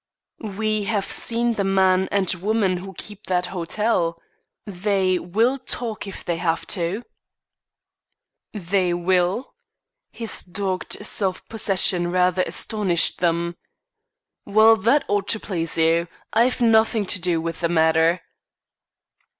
"We have seen the man and woman who keep that hotel. They will talk, if they have to." "They will?" His dogged self possession rather astonished them. "Well, that ought to please you. I've nothing to do with the matter."